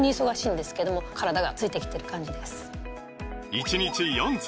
１日４粒！